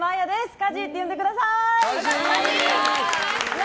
カジーって呼んでください。